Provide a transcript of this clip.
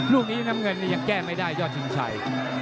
ลูกนี้น้ำเงินนี่ยังแก้ไม่ได้ยอดชิงชัย